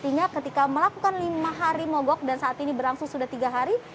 artinya ketika melakukan lima hari mogok dan saat ini berlangsung sudah tiga hari